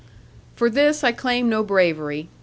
For this I claim no bravery.